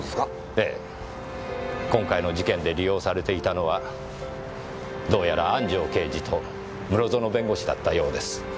えぇ今回の事件で利用されていたのはどうやら安城刑事と室園弁護士だったようです。